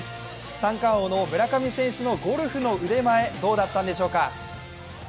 三冠王の村上選手のゴルフの腕前どうだったんでしょうか？